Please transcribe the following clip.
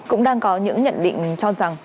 cũng đang có những nhận định cho rằng